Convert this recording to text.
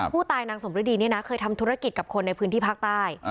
นางสมฤดีเนี่ยนะเคยทำธุรกิจกับคนในพื้นที่ภาคใต้